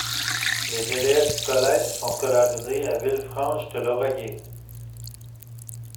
Les élèves du collège sont scolarisés à Villefranche-de-Lauragais.